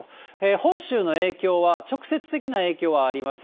本州の影響は直接的な影響はありません。